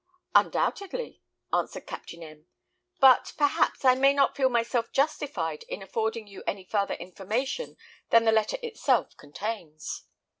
"Undoubtedly," answered Captain M ; "but, perhaps, I may not feel myself justified in affording you any farther information than the letter itself contains."